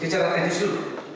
secara teknis dulu